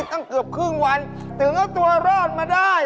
ตั้งเกือบครึ่งวันถึงเอาตัวรอดมาได้